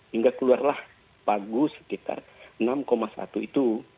hingga keluarlah pagu sekitar enam satu itu